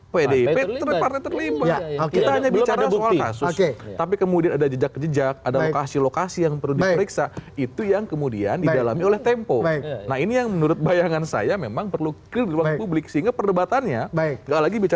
partai kira kira gitu lah konstruksi berpikirnya